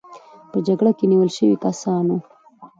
په جګړه کې نیول شوي کسان وو.